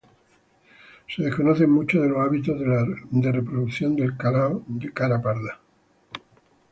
Se desconocen muchos de los hábitos de reproducción del cálao de cara parda.